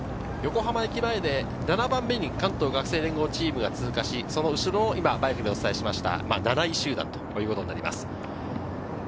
横浜駅前で７番目に関東学生連合チームが通過し、その後ろを今バイクでお伝えしました７位集団ということになります。